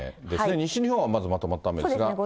西日本はまずまとまった雨ですが。